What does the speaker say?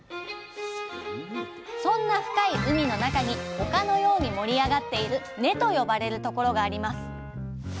そんな深い海の中に丘のように盛り上がっている「根」と呼ばれるところがあります。